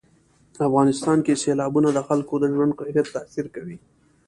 افغانستان کې سیلابونه د خلکو د ژوند کیفیت تاثیر کوي.